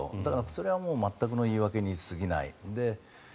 それは全くの言い訳に過ぎない。